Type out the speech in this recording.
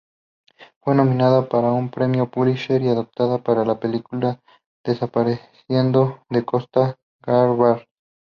Fue nominado para un Premio Pulitzer y adaptada como la película Desaparecido de Costa-Gavras.